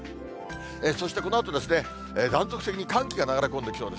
そしてこのあと、断続的に寒気が流れ込んできそうです。